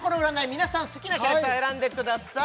皆さん好きなキャラクター選んでください